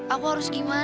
aku harus gimana